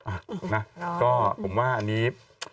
อ่ะนะก็ผมว่าอันนี้